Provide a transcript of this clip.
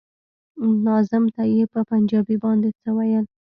ناظم ته يې په پنجابي باندې څه ويل.